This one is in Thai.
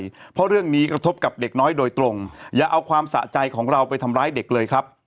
เพราะเรื่องนี้กระทบกับเด็กน้อยโดยตรงอย่าเอาความสะใจของเราไปทำร้ายเด็กเลยครับ